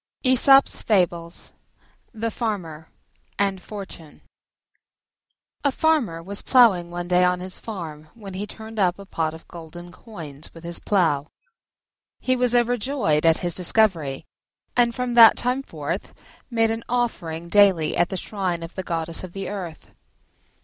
Into the pot you go!" THE FARMER AND FORTUNE A Farmer was ploughing one day on his farm when he turned up a pot of golden coins with his plough. He was overjoyed at his discovery, and from that time forth made an offering daily at the shrine of the Goddess of the Earth.